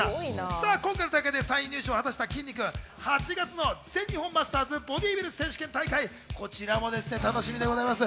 今回の大会で３位入賞を果たしてきんに君、８月の全日本マスターズボディビル選手権大会、こちらも楽しみでございます。